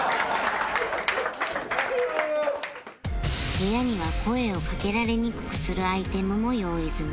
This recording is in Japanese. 部屋には声をかけられにくくするアイテムも用意済み